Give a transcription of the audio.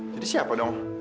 jadi siapa dong